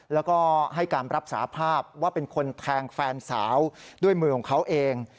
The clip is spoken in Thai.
แล้วก็ให้การรับสาภาพว่าเป็นคนแทงแฟนสาวด้วยมือของเขาเอง